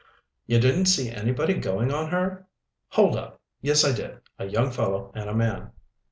"You didn't see anybody going on her?" "Hold up! Yes, I did; a young fellow and a man."